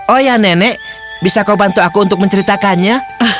oh ya nenek bisa kau bantu aku untuk menceritakannya